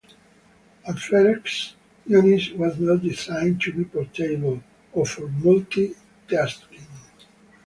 At first, Unix was not designed to be portable or for multi-tasking.